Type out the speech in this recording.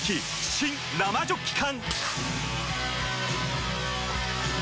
新・生ジョッキ缶！